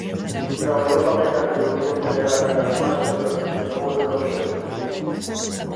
Traballou tamén na reprodución telegráfica de imaxes e perfeccionou o reloxo eléctrico.